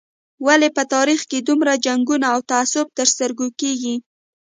ولې په تاریخ کې دومره جنګونه او تعصب تر سترګو کېږي.